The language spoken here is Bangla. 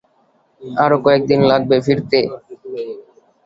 আরো কয়েকদিন লাগবে ফিরতে।